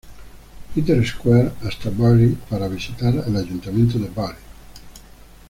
Peter's Square hasta Bury para visitar el Ayuntamiento de Bury.